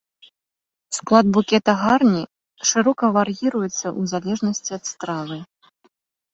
Склад букета гарні шырока вар'іруецца ў залежнасці ад стравы.